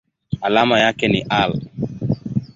Alama yake ni Al.